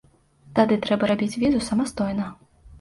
Тады трэба рабіць візу самастойна.